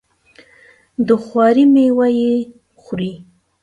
د خواري میوه یې خوري.